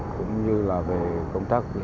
cũng như là về công tác tân hậu cần